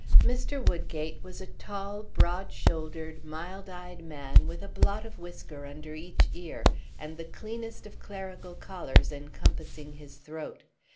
Mr. Woodgate was a tall, broad shouldered, mild eyed man, with a blot of whisker under each ear, and the cleanest of clerical collars encompassing his throat.